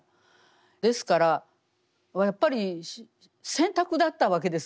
ですからやっぱり選択だったわけです